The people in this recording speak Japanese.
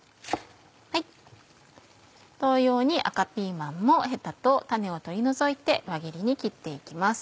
同様に赤ピーマンもヘタと種を取り除いて輪切りに切って行きます。